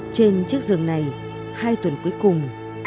trên chiếc giường này hai tuần cuối cùng